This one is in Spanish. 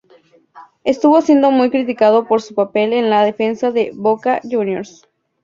Estuvo siendo muy criticado por su papel en la defensa de Boca Juniors.